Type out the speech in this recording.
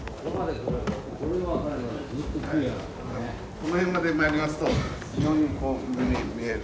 この辺まで参りますと非常にこう見える。